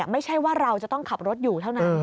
ไม่ใช่ว่าเราจะต้องขับรถอยู่เท่านั้น